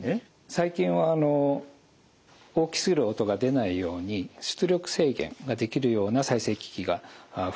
最近は大きすぎる音が出ないように出力制限ができるような再生機器が増えてます。